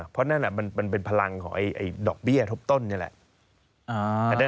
เพราะนั่นมันเป็นพลังของดอกเบี้ยทบต้นนี่แหละ